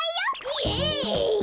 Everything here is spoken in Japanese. イエイ！